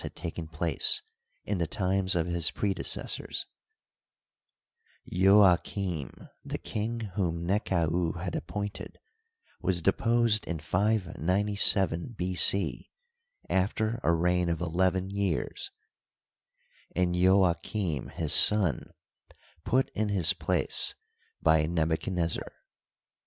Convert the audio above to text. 129 had taken place in the times of his predecessors, Jojaqlm, the kinff whom Nekau had appointed, was deposed in 597 B. C, after a reign of eleven years, and Jojachim, his son, put in his place by Nebuchaclnezzar.